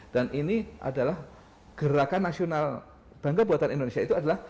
dan ini adalah gerakan nasional bangga buatan indonesia itu adalah